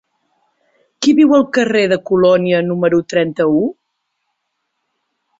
Qui viu al carrer de Colònia número trenta-u?